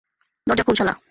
দরজা খোল, শালা!